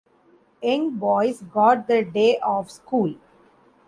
The young boys got the day off school.